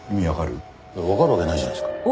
わかるわけないじゃないですか。